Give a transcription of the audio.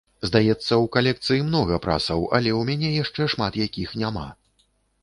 Здаецца, у калекцыі многа прасаў, але ў мяне яшчэ шмат якіх няма.